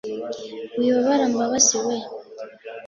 wibabara mbabazi we